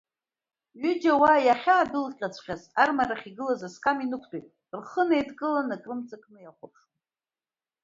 Ҩыџьа уа иахьаадәылҵҵәҟьаз арымарахь игылаз асқам инықутәеит, рхы еидкыланы, ак рымҵакны иахуаԥшуан.